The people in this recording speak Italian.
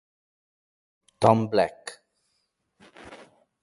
Tom Black